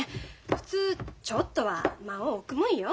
普通ちょっとは間を置くもんよ。